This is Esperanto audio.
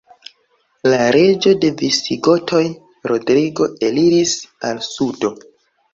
La reĝo de visigotoj Rodrigo eliris al sudo.